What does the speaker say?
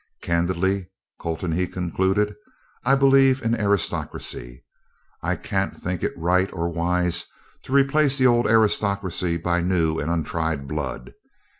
"Candidly, Colton," he concluded, "I believe in aristocracy. I can't think it right or wise to replace the old aristocracy by new and untried blood."